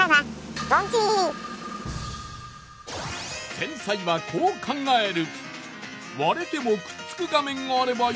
天才はこう考える。